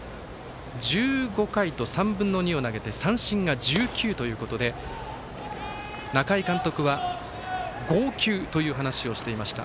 １５回と３分の２を投げて三振が１９ということで仲井監督は剛球という話をしていました。